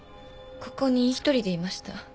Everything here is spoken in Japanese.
ここに一人でいました。